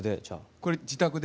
これ自宅で。